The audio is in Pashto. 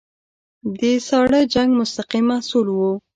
د ساړه جنګ مستقیم محصول وو.